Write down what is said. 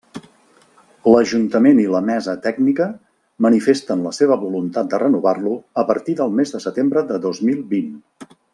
L'Ajuntament i la Mesa Tècnica, manifesten la seva voluntat de renovar-lo a partir del mes de setembre de dos mil vint.